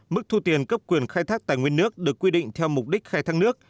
mức thu tiền cấp quyền khai thác tài nguyên nước được quy định theo mục đích khai thác nước